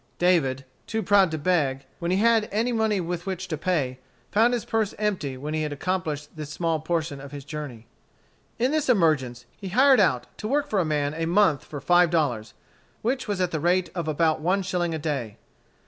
David, too proud to beg, when he had any money with which to pay, found his purse empty when he had accomplished this small portion of his journey. In this emergence, he hired out to work for a man a month for five dollars, which was at the rate of about one shilling a day.